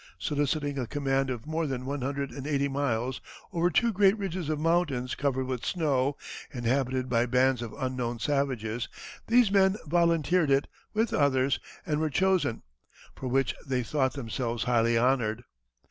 Soliciting a command of more than one hundred and eighty miles over two great ridges of mountains covered with snow, inhabited by bands of unknown savages, these men volunteered it, with others, and were chosen; for which they thought themselves highly honored."